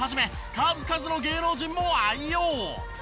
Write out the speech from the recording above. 数々の芸能人も愛用。